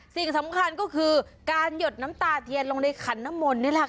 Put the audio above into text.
สิ่งสำคัญก็คือการหยดน้ำตาเทียนลงในขันน้ำมนต์นี่แหละค่ะ